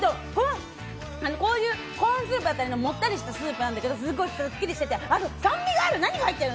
こういうコーンスープだったり、もったりしたスープなんだけど、すごくスッキリしてて酸味がある。